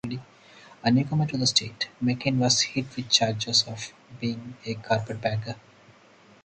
A newcomer to the state, McCain was hit with charges of being a carpetbagger.